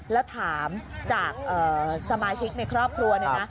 แล้วถามจากสมาชิกในครอบครัวเนี่ยนะ